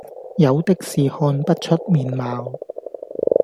有的是看不出面貌，